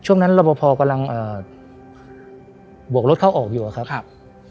ช่วงนั้นระบบพอกำลังอ่าบวกรถเข้าออกอยู่อะครับครับ